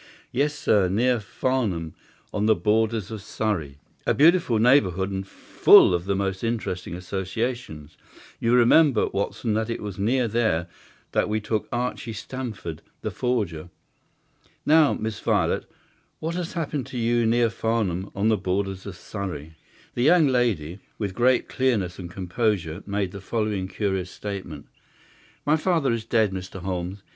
"Yes, sir; near Farnham, on the borders of Surrey." "A beautiful neighbourhood and full of the most interesting associations. You remember, Watson, that it was near there that we took Archie Stamford, the forger. Now, Miss Violet, what has happened to you near Farnham, on the borders of Surrey?" The young lady, with great clearness and composure, made the following curious statement:— "My father is dead, Mr. Holmes.